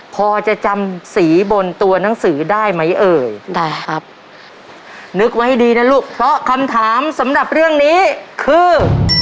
พอจะจำสีบนตัวหนังสือได้ไหมเอ่ยได้ครับนึกไว้ให้ดีนะลูกเพราะคำถามสำหรับเรื่องนี้คือ